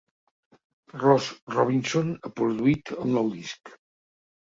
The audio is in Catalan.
Ross Robinson ha produït el nou disc.